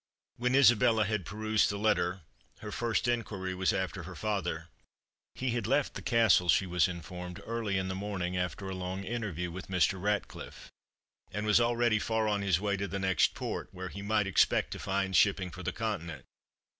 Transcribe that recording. When Isabella had perused the letter, her first enquiry was after her father. He had left the castle, she was informed, early in the morning, after a long interview with Mr. Ratcliffe, and was already far on his way to the next port, where he might expect to find shipping for the Continent.